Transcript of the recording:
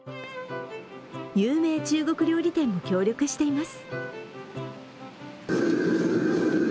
有名中国料理店も協力しています。